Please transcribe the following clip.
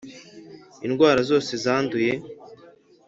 indwara zose zanduye.